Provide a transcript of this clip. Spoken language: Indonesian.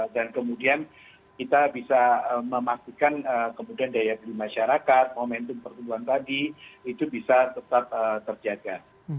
dan kemudian kita bisa memastikan kemudian daya diri masyarakat momentum pertumbuhan tadi itu bisa tetap terjaga